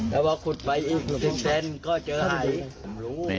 แล้ววะขุดไปอีกสิบเซ็นต์ก็เจอไหล